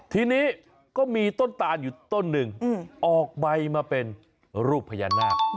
ทีนี้ก็มีต้นตานอยู่ต้นหนึ่งออกใบมาเป็นรูปพญานาค